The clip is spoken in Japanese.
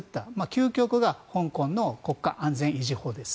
究極が香港の国家安全維持法です。